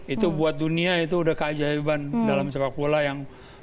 itu buat dunia itu udah keajaiban dalam sepak bola yang